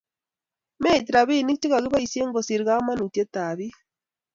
Meit robinik che kakiboisie kosir komonutietab bik